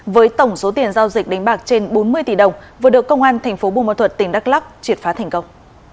với tổng số tiền giao dịch đánh bạc trên bốn mươi tỷ đồng vừa được công an tp bun ban thuật tỉnh đắk lắk triệt phá thành công